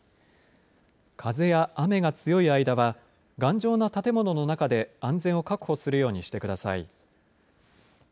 風や雨が強い間は頑丈な建物の中で安全を確保するようにしてください。